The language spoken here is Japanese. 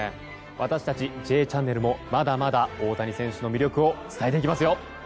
私たち、「Ｊチャンネル」もまだまだ大谷選手の魅力を伝えていきますよ！